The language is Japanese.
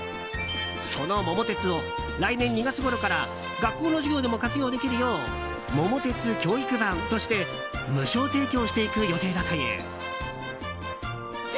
その「桃鉄」を来年２月ごろから学校の授業でも活用できるよう「桃鉄教育版」として無償提供していく予定だという。